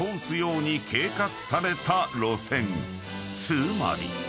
［つまり］